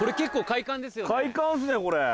快感ですねこれ。